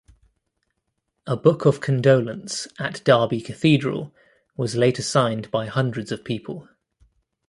A book of condolence at Derby Cathedral was later signed by hundreds of people.